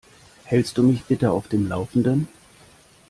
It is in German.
Hältst du mich bitte auf dem Laufenden?